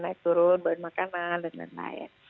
naik turun buat makanan dan lain lain